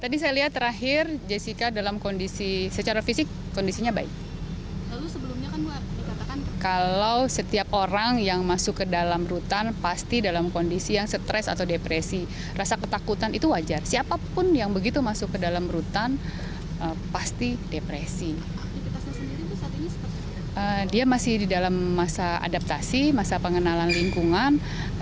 dia masih di dalam masa adaptasi masa pengenalan lingkungan